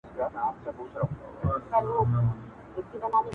ستونی ولي په نارو څیرې ناحقه -